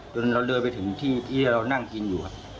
เราเลยไปถึงที่เรานั่งกินอยู่